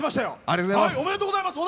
ありがとうございます。